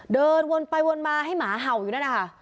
เดินวนไปวนมาให้หมาเห่าอยู่นั่นนะคะ